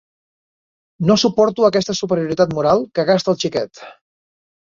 No suporto aquesta superioritat moral que gasta el xiquet.